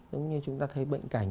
giống như chúng ta thấy bệnh cảnh